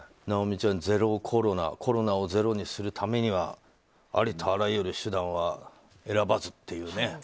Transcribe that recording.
尚美ちゃん、ゼロコロナコロナをゼロにするためにはありとあらゆる手段は選ばずというね。